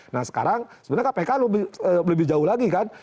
nah sekarang sebenarnya kpk lebih jauh lagi kan